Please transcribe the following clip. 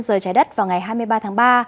giờ trái đất vào ngày hai mươi ba tháng ba